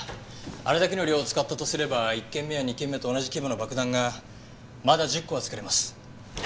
あれだけの量を使ったとすれば１件目や２件目と同じ規模の爆弾がまだ１０個は作れます。